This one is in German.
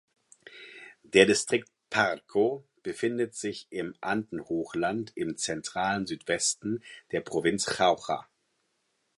Der Distrikt Parco befindet sich im Andenhochland im zentralen Südwesten der Provinz Jauja.